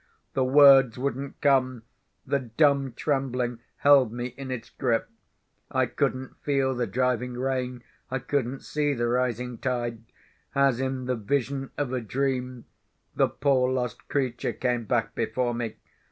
the words wouldn't come. The dumb trembling held me in its grip. I couldn't feel the driving rain. I couldn't see the rising tide. As in the vision of a dream, the poor lost creature came back before me.